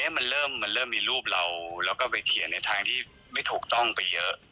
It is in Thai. มันเริ่มมันเริ่มมีรูปเราแล้วก็ไปเขียนในทางที่ไม่ถูกต้องไปเยอะ